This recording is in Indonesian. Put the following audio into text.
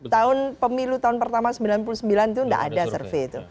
tahun pemilu tahun pertama sembilan puluh sembilan itu tidak ada survei itu